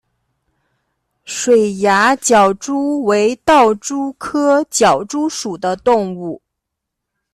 水涯狡蛛为盗蛛科狡蛛属的动物。